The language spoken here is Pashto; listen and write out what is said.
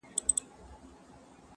پاچهي به هيچا نه كړل په كلونو؛